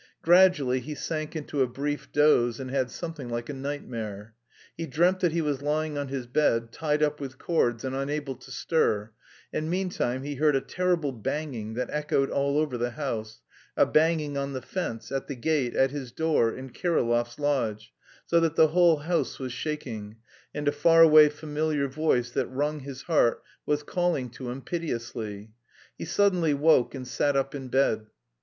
Gradually he sank into a brief doze and had something like a nightmare. He dreamt that he was lying on his bed, tied up with cords and unable to stir, and meantime he heard a terrible banging that echoed all over the house, a banging on the fence, at the gate, at his door, in Kirillov's lodge, so that the whole house was shaking, and a far away familiar voice that wrung his heart was calling to him piteously. He suddenly woke and sat up in bed.